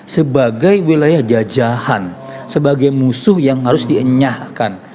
sebagai wilayah jajahan sebagai musuh yang harus dienyahkan